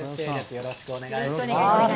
よろしくお願いします。